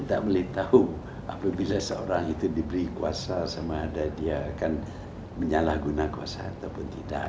kita tidak tahu apabila seseorang itu diberi kuasa sama ada dia akan menyalahguna kuasa atau tidak